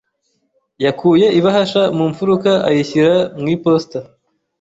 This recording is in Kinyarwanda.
yakuye ibahasha mu mufuka ayishyira mu iposita.